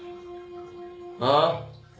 ああ？